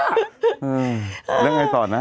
เอ๋งแล้วไงต่อนะ